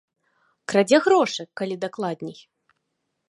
Крадзе грошы, калі дакладней.